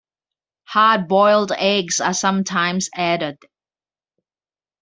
Hard-boiled eggs are sometimes added.